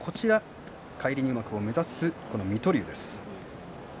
返り入幕を目指すのは水戸龍です。